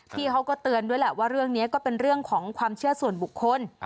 พี่เขาก็เตือนด้วยแหละว่าเรื่องนี้ก็เป็นเรื่องของความเชื่อส่วนบุคคล